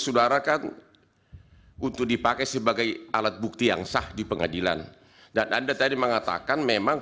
saudara kan untuk dipakai sebagai alat bukti yang sah di pengadilan dan anda tadi mengatakan memang